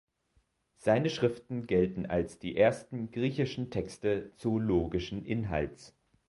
Seine Schriften gelten als die ersten griechischen Texte zoologischen Inhalts.